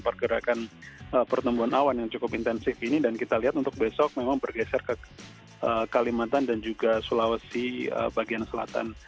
pergerakan pertumbuhan awan yang cukup intensif ini dan kita lihat untuk besok memang bergeser ke kalimantan dan juga sulawesi bagian selatan